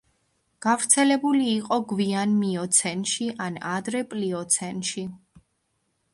გავრცელებული იყო გვიან მიოცენში ან ადრე პლიოცენში.